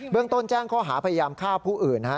เรื่องต้นแจ้งข้อหาพยายามฆ่าผู้อื่น